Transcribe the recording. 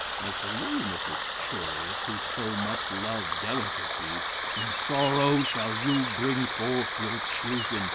As for you, Mrs. Curious, who so much love delicacies, in sorrow shall you bring forth your children.